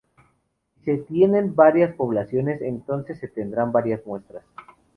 Si se tienen varias poblaciones, entonces se tendrán varias muestras.